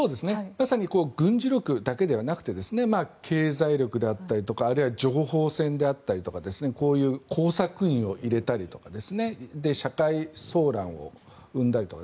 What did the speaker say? まさに軍事力だけではなくて経済力だったりとかあるいは情報戦であったりとかこういう工作員を入れたりとかで、社会騒乱を生んだりとか。